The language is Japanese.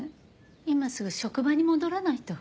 今すぐ職場に戻らないと。